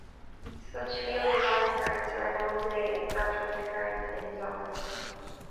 Such field-aligned currents are known today as Birkeland currents in his honour.